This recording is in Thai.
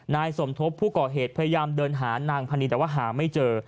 นายสมทบผู้ก่อเหตุพยายามเดินหานางพนีแต่ว่าหาไม่เจอ